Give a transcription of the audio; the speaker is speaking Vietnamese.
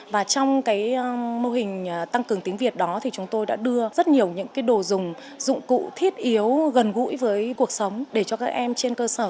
và trong cái mô hình tăng cường tiếng việt đó thì chúng tôi đã đưa rất nhiều những cái đồ dùng dụng cụ thiết yếu gần gũi với cuộc sống để cho các em trên cơ sở